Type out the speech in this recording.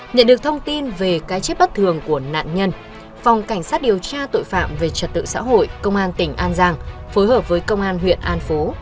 nhận được thông tin về cái chết bất thường của nạn nhân phòng cảnh sát điều tra tội phạm về trật tự xã hội công an tỉnh an giang phối hợp với công an huyện an phú